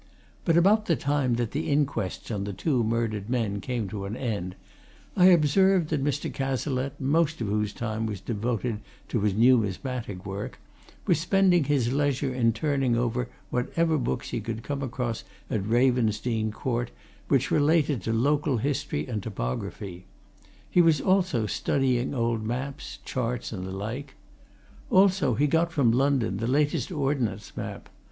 But, about the time that the inquests on the two murdered men came to an end, I observed that Mr. Cazalette, most of whose time was devoted to his numismatic work, was spending his leisure in turning over whatever books he could come across at Ravensdene Court which related to local history and topography; he was also studying old maps, charts and the like. Also, he got from London the latest Ordnance Map.